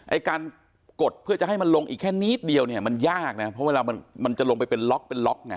ไอ้การกดเพื่อจะให้มันลงอีกแค่นิดเดียวเนี่ยมันยากนะเพราะเวลามันมันจะลงไปเป็นล็อกเป็นล็อกไง